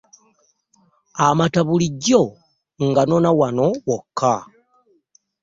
Amata bulijjo nganona wano wokka.